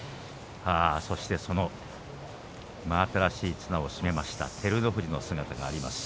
そして、その真新しい綱を締めました照ノ富士の姿があります。